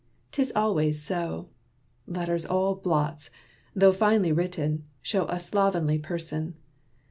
'Tis always so: Letters all blots, though finely written, show A slovenly person.